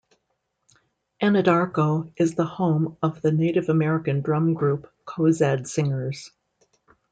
Anadarko is the home of the Native American drum group Cozad Singers.